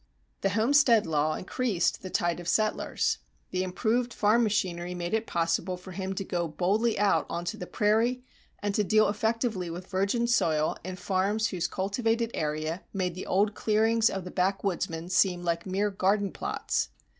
The homestead law increased the tide of settlers. The improved farm machinery made it possible for him to go boldly out on to the prairie and to deal effectively with virgin soil in farms whose cultivated area made the old clearings of the backwoodsman seem mere garden plots.